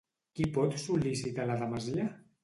Qui pot sol·licitar la demesia?